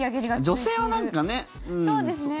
女性はなんかね。